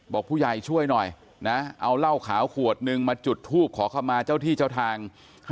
บอกผู้ใหญ่ช่วยหน่อยนะเอาเหล้าขาวขวดนึงมาจุดทูบขอเข้ามาเจ้าที่เจ้าทาง